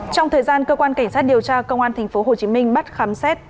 trong thời gian cơ quan cảnh sát điều tra công an tp hcm bắt khám xét